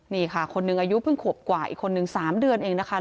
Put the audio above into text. นี่ค่ะคนหนึ่งอายุเพิ่งขวบกว่าอีกคนนึง๓เดือนเองนะคะ